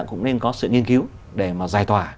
cũng nên có sự nghiên cứu để mà giải tỏa